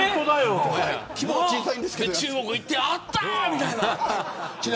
中国行って、あったみたいな。